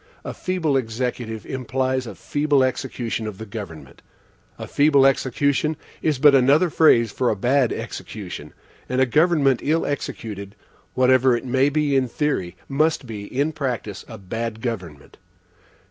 A feeble Executive implies a feeble execution of the government. A feeble execution is but another phrase for a bad execution; and a government ill executed, whatever it may be in theory, must be, in practice, a bad government.